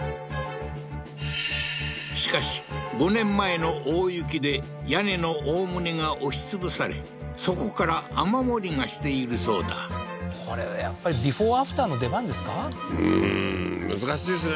しかし５年前の大雪で屋根の大棟が押し潰されそこから雨漏りがしているそうだこれはやっぱりビフォーアフターのうーん難しいですね